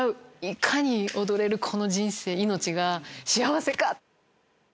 いかに踊れるこの人生命が幸せか！